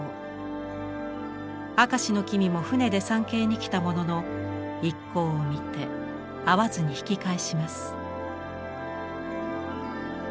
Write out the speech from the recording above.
明石君も船で参詣に来たものの一行を見て会わずに引き返します。